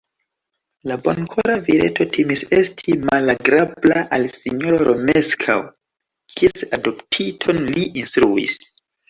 La bonkora vireto timis esti malagrabla al sinjoro Romeskaŭ, kies adoptiton li instruis.